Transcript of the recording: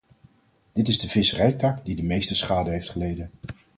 Dit is de visserijtak die de meeste schade heeft geleden.